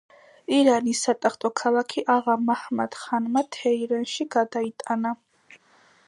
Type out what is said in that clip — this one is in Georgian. ირანის სატახტო ქალაქი აღა-მაჰმად-ხანმა თეირანში გადაიტანა.